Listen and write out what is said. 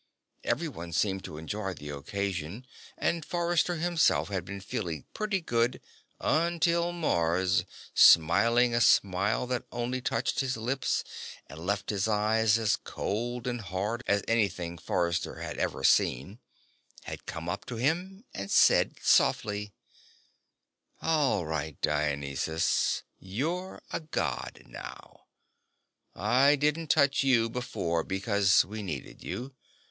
Everyone seemed to enjoy the occasion, and Forrester himself had been feeling pretty good until Mars, smiling a smile that only touched his lips and left his eyes as cold and hard as anything Forrester had ever seen, had come up to him and said softly: "All right, Dionysus. You're a God now. I didn't touch you before because we needed you.